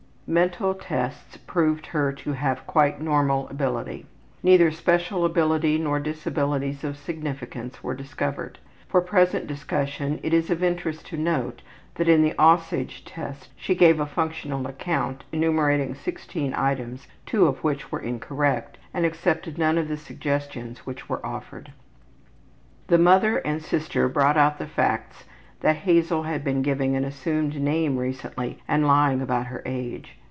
Mental tests proved her to have quite normal ability. Neither special ability nor disabilities of significance were discovered. For present discussion it is of interest to note that in the ``Aussage'' Test she gave a functional account, enumerating 16 items, 2 of which were incorrect, and accepted none of the suggestions which were offered. The mother and sister brought out the facts that Hazel had been giving an assumed name recently and lying about her age.